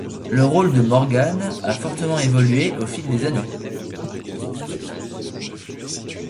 Le rôle de Morgan a fortement évolué au fil des années.